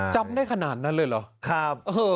จำได้ขนาดนั้นเลยเหรอ